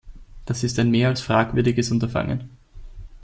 Das ist ein mehr als fragwürdiges Unterfangen.